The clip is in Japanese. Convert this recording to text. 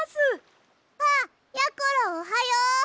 あっやころおはよう！